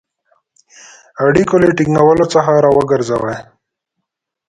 اړیکو له ټینګولو څخه را وګرځوی.